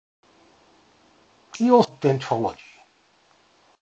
He also made contributions as a botanist, especially in the field of dendrology.